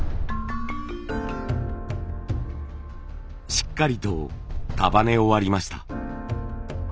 しっかりと束ね終わりました。